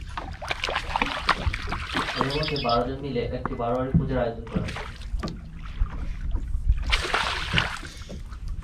এঁদের মধ্যে বারো জন মিলে একটি বারোয়ারি পূজার আয়োজন করেন।